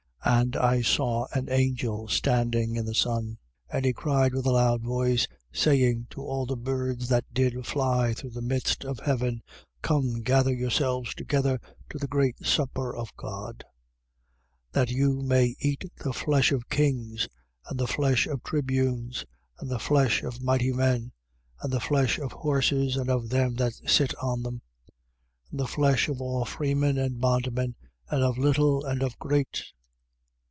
19:17. And I saw an angel standing in the sun: and he cried with a loud voice, saying to all the birds that did fly through the midst of heaven: Come, gather yourselves together to the great supper of God: 19:18. That you may eat the flesh of kings and the flesh of tribunes and the flesh of mighty men and the flesh of horses and of them that sit on them: and the flesh of all freemen and bondmen and of little and of great.